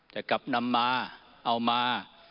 แต่กลับนำมาเอามา